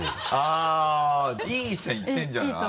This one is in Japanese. あぁいい線いってんじゃない。